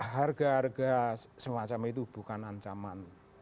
harga harga semacam itu bukan ancaman